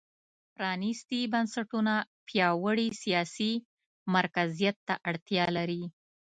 پرانېستي بنسټونه پیاوړي سیاسي مرکزیت ته اړتیا لري.